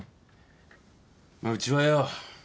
まあうちはよ